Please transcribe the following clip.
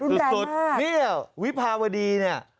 นี่เวียววิพาวดีเนี่ย